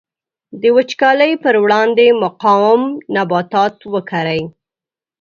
د وچکالۍ پر وړاندې مقاوم نباتات وکري.